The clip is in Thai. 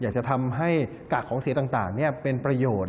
อยากจะทำให้กากของเสียอุตสาหกรรมต่างเป็นประโยชน์